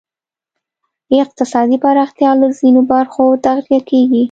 اقتصادي پراختیا له ځینو برخو تغذیه کېږی.